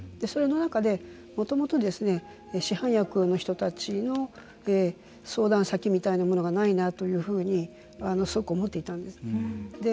その中で、もともと市販薬の、人たちの相談先みたいなものがないなというふうにすごく思っていたんですね。